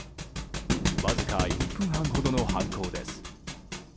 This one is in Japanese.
わずか１分半ほどの犯行です。